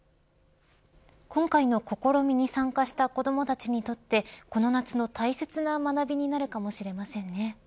今回の試みに参加した子どもたちにとってこの夏の大切な学びになるかもしれませんね。